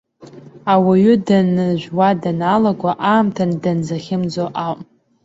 Ауаҩы дажәуа даналаго аамҭа данзахьымӡо ауп.